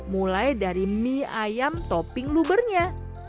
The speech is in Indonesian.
mulai dari mie ayam topping lubernya